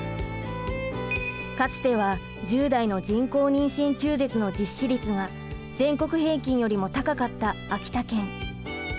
かつては１０代の人工妊娠中絶の実施率が全国平均よりも高かった秋田県。